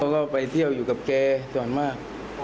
ก็ไปเที่ยวอยู่กับแกส่วนมาก